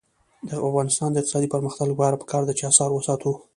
د افغانستان د اقتصادي پرمختګ لپاره پکار ده چې اثار وساتو.